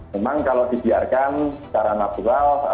memang kalau dibiarkan secara natural